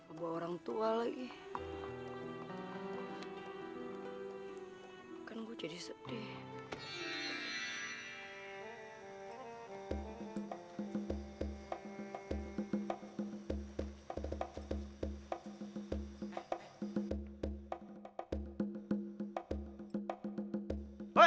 agar orang tua kamu bisa ke surga